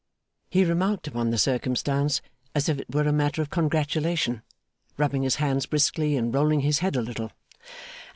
He remarked upon the circumstance as if it were matter of congratulation: rubbing his hands briskly, and rolling his head a little.